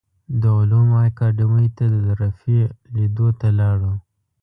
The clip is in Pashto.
د علومو اکاډیمۍ ته د رفیع لیدو ته لاړو.